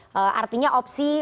jadi opsi opsi terbuka